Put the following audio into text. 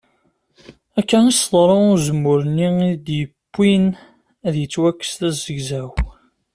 Akka i as-tḍerru i uzemmur-nni i d-yewwin ad yettwakkes d azegzaw.